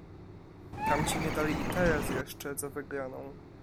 "Tamci nie dali i teraz jeszcze za wygraną."